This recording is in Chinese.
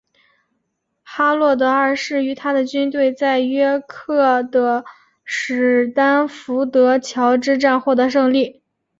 哈洛德二世与他的军队在约克的史丹福德桥之战获得胜利。